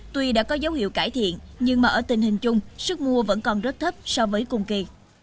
tuy đã có dấu hiệu cải thiện nhưng mà ở tình hình chung sức mua vẫn còn rất thấp so với cùng kỳ